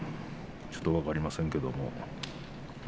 ちょっと分かりませんけれども。